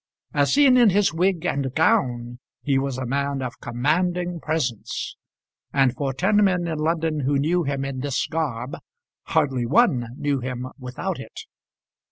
As seen in his wig and gown he was a man of commanding presence, and for ten men in London who knew him in this garb, hardly one knew him without it.